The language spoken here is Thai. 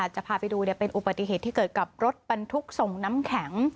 จะพาไปดูเป็นอุบัติเหตุที่เกิดกับรถบรรทุกส่งน้ำแข็ง